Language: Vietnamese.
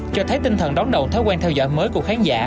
cho thấy tinh thần đón đầu thói quen theo dõi mới của khán giả